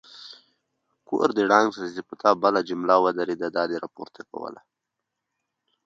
غول د معاینې ارزښت لري.